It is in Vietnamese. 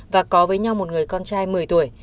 và có với nhau một người con trai một mươi tuổi